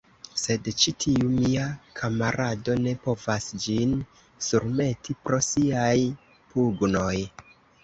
Sed ĉi tiu mia kamarado ne povas ĝin surmeti pro siaj pugnoj.